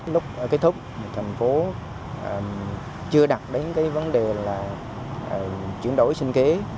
lúc kết thúc thành phố chưa đặt đến cái vấn đề là chuyển đổi sinh kế